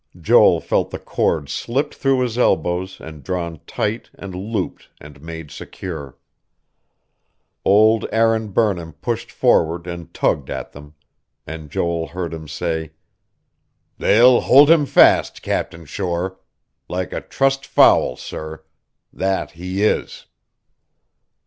Joel felt the cord slipped through his elbows and drawn tight and looped and made secure. Old Aaron Burnham pushed forward and tugged at them; and Joel heard him say: "They'll hold him fast, Captain Shore. Like a trussed fowl, sir. That he is...."